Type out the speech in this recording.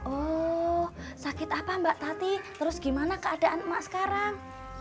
oh sakit apa mbak tati terus gimana keadaan emak sekarang